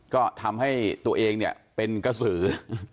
ก็ทำให้ตัวเองเนี่ยเป็นกระสือ